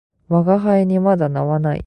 吾輩にまだ名はない